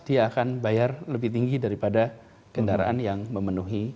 dia akan bayar lebih tinggi daripada kendaraan yang memenuhi